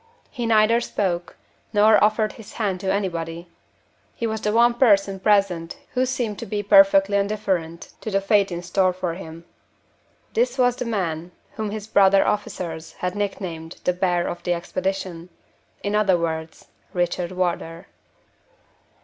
He neither spoke, nor offered his hand to anybody: he was the one person present who seemed to be perfectly indifferent to the fate in store for him. This was the man whom his brother officers had nicknamed the Bear of the Expedition. In other words Richard Wardour.